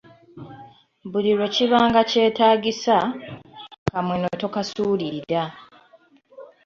Buli lwe kiba nga kyetaagisa, akamweno tokasuulirira.